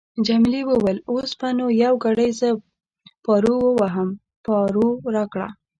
جميلې وويل:: اوس به نو یو ګړی زه پارو وواهم، پارو راکړه.